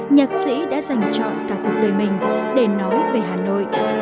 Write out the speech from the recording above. nhạc sĩ đã dành chọn ca khúc đời mình để nói về hà nội